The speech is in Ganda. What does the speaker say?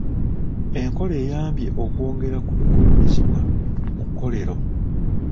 Enkola eyambye okwongera ku bigulumizibwa mu kkolero.